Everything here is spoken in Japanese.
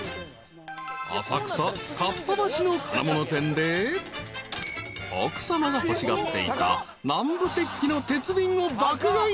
［浅草かっぱ橋の金物店で奥さまが欲しがっていた南部鉄器の鉄瓶を爆買い］